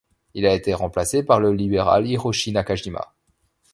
Il a été remplacé par le libéral Hiroshi Nakajima.